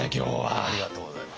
ありがとうございます。